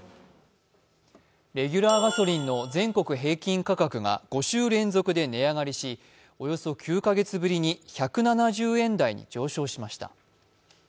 レギュラーガソリンの全国平均価格が５週連続で値上がりし、およそ９か月ぶりに１７０円台に上昇しました。